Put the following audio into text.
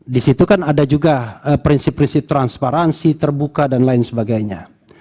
di situ kan ada juga prinsip prinsip transparansi terbuka dan lain sebagainya